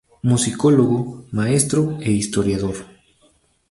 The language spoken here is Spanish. Musicólogo, maestro e historiador.